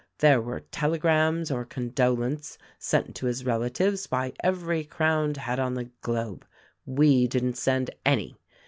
There were telegrams of con dolence sent to his relatives by every crowned head on the globe. We didn't send any.